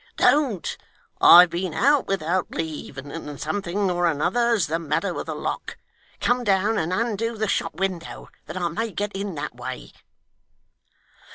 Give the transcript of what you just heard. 'Don't! I've been out without leave, and something or another's the matter with the lock. Come down, and undo the shop window, that I may get in that way.